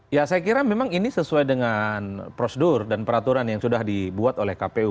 ya saya kira memang ini sesuai dengan prosedur dan peraturan yang sudah dibuat oleh kpu